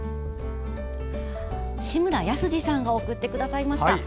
志村保二さんが送ってくださいました。